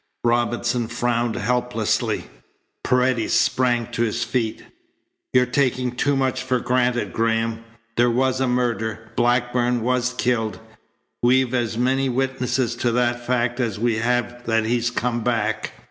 Robinson frowned helplessly. Paredes sprang to his feet. "You're taking too much for granted, Graham. There was a murder. Blackburn was killed. We've as many witnesses to that fact as we have that he's come back.